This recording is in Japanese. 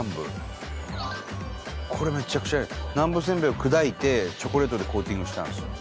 これメチャクチャ南部せんべいを砕いてチョコレートでコーティングしてあるんですよ